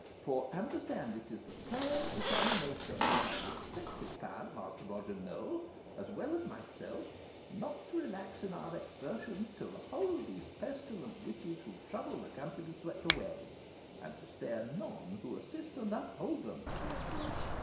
For understand it is the firm determination of my respected client, Master Roger Nowell, as well as of myself, not to relax in our exertions till the whole of these pestilent witches who trouble the country be swept away, and to spare none who assist and uphold them."